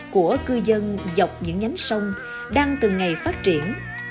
của cư dân dọc những nhánh sông đang từng ngày phát triển